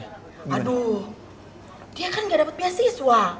aduh dia kan gak dapet biasiswa